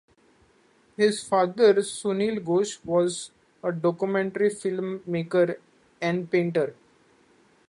His father, Sunil Ghosh, was a documentary film maker and painter.